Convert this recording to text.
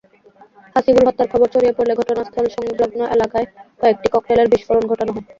হাসিবুল হত্যার খবর ছড়িয়ে পড়লে ঘটনাস্থল সংলগ্ন এলাকায় কয়েকটি ককটেলের বিস্ফোরণ ঘটানো হয়।